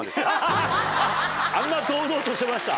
あんな堂々としてました？